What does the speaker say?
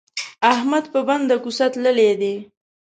احمد په بنده کوڅه تللی دی.